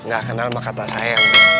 gak kenal sama kata saya